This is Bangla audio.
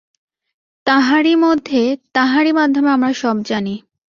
তাঁহারই মধ্যে, তাঁহারই মাধ্যমে আমরা সব জানি।